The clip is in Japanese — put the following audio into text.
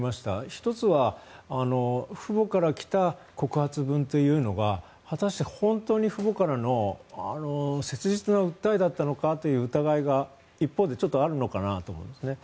１つは父母から来た告発文というのが果たして、本当に父母からの切実な訴えだったのかという疑いが一方で、ちょっとあるのかなと思うんですね。